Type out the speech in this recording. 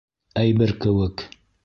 Әйбер кеүек!